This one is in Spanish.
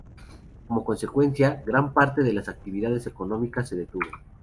Como consecuencia, gran parte de las actividades económicas se detuvo.